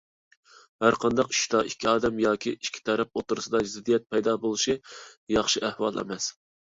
ھەرقانداق ئىشتا ئىككى ئادەم ياكى ئىككى تەرەپ ئوتتۇرىسىدا زىددىيەت پەيدا بولۇشى ياخشى ئەھۋال ئەمەس.